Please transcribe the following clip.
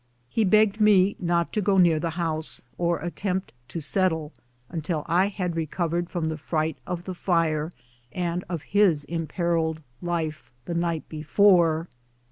He begged me not to go near the house, or attempt to settle, until I had recovered from the fright of the lire and of his imperilled life the night before.